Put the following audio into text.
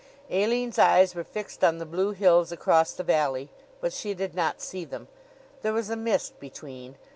Aline's eyes were fixed on the blue hills across the valley, but she did not see them. There was a mist between.